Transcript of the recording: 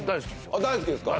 大好きですか。